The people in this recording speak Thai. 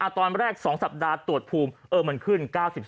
ตอนแรก๒สัปดาห์ตรวจภูมิมันขึ้น๙๓